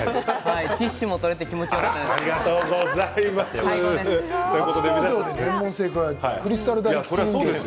ティッシュも取れて気持ちですけど最高です。